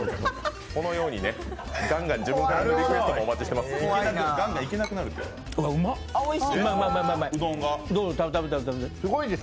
このようにガンガン自分からリクエストもお待ちしています。